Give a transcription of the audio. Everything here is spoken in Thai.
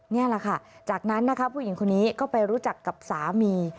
นี่แหละค่ะจากนั้นนะคะผู้หญิงคนนี้ก็ไปรู้จักกับสามี